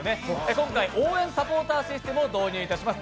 今回、応援サポーターシステムを導入いたします。